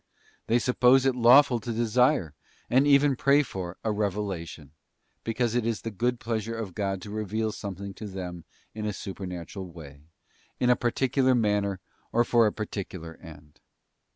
They suppose it lawful to desire, and even to pray for, a revelation, because it is the good pleasure of God to reveal something to them in a supernatural way, in a particular manner or for a particular end.